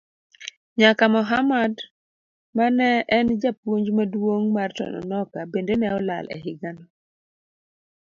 Nyaka Mohammad mane en japuonj maduong' mar Tononoka bende ne olal e higano.